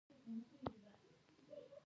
پیلوټ د ډیرو انسانانو باور ته اړتیا لري.